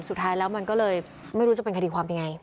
สุดท้ายแล้วมันก็เลยไม่รู้จะเป็นคดีความยังไง